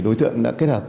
đối tượng đã kết hợp